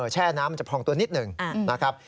แช่น้ำมันจะพองตัวนิดหนึ่งนะครับ